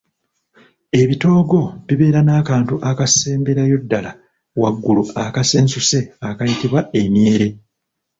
Ebitoogo bibeera n'akantu akasemberayo ddala waggulu akasensuse akayitibwa emyere.